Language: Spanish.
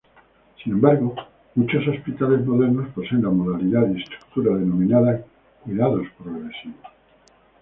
Sin embargo muchos hospitales modernos poseen la modalidad y estructura denominada Cuidados Progresivos.